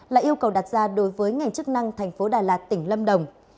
là yêu cầu đặt ra đối với ngành chức năng tp đà lạt tỉnh lâm đồng